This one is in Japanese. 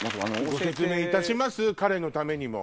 ご説明いたします彼のためにも。